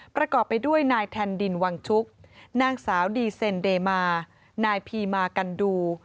ประกอบไปด้วยนายแทนดินวังชุกนางสาวดีเซนเดมานายพีมากันดู